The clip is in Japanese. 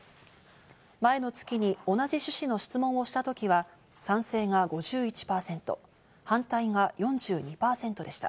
前の月に同じ趣旨の質問をした時は賛成が５１％、反対が４２％でした。